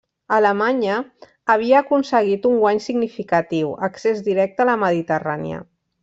Alemanya havia aconseguit un guany significatiu: accés directe a la Mediterrània.